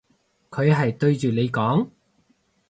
佢係對住你講？